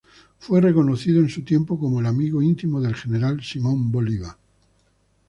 Fue reconocido en su tiempo como el amigo íntimo del general Simón Bolívar.